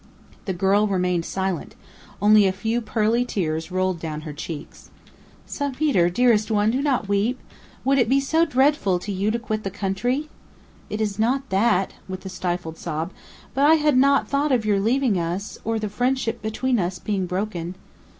The girl remained silent; only a few pearly tears rolled down her cheeks. "Savitre, dearest one, do not weep! Would it be so dreadful for you to quit the country?" "It is not that," with a stifled sob; "but I had not thought of your leaving us, or the friendship between us being broken."